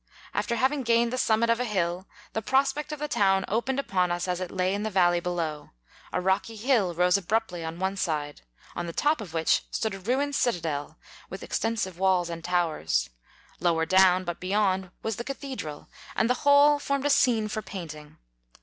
After having gained the summit of a hill, the prospect of the town opened upon us as it lay in the valley below ; 18 a rocky hill rose abruptly on one side, on the top of which stood a ruined citadel with extensive walls and towers; lower down, but beyond, was the ca thedral, and the whole formed a scene for painting.